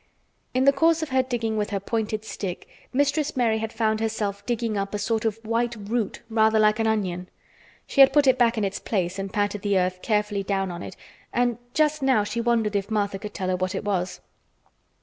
In the course of her digging with her pointed stick Mistress Mary had found herself digging up a sort of white root rather like an onion. She had put it back in its place and patted the earth carefully down on it and just now she wondered if Martha could tell her what it was.